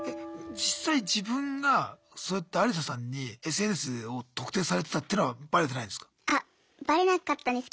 実際自分がそうやってアリサさんにＳＮＳを「特定」されてたっていうのはバレてないんすか？